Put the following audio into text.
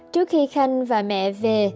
trước khi khanh và mẹ về